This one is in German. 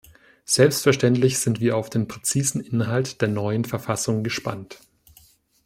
Selbstverständlich sind wir auf den präzisen Inhalt der neuen Verfassung gespannt.